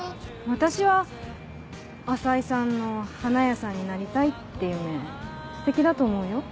私は浅井さんの花屋さんになりたいって夢ステキだと思うよ。